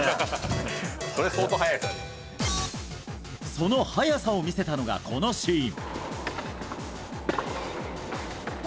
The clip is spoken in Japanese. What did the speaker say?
その速さを見せたのがこのシーン。